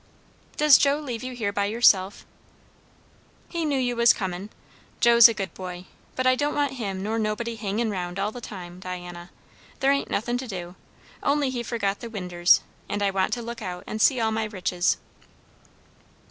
"Does Joe leave you here by yourself?" "He knew you was comin'. Joe's a good boy. But I don't want him nor nobody hangin' round all the time, Diana. There ain't nothin' to do; only he forgot the winders, and I want to look out and see all my riches."